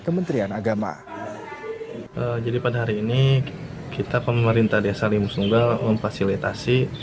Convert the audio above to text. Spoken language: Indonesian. kementerian agama jadi pada hari ini kita pemerintah desa limus nunggal memfasilitasi